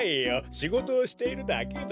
しごとをしているだけだ。